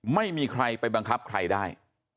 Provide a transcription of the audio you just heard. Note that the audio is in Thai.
ไม่มีใครไปบังคับใครได้